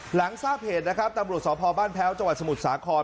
หลังทราบเหตุนะครับตำรวจสพบ้านแพ้วจังหวัดสมุทรสาคร